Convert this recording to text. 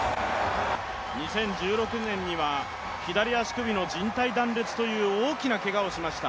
２０１６年には左足首のじん帯断裂という大きなけがをしました。